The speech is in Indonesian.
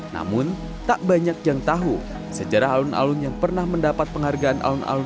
namun tak banyak yang tahu sejarah alun alun yang pernah mendapat penghargaan alun alun